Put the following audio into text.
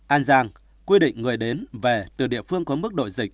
an giang quy định người đến về từ địa phương có mức độ dịch